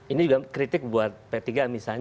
ini juga kritik buat p tiga misalnya